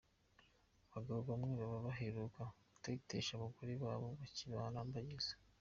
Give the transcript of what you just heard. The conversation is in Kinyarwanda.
Abagabo bamwe baba baheruka gutetesha abagore babo bakibarambagiza.